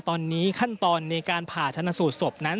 ตอนนี้ขั้นตอนในการผ่าชนสูตรศพนั้น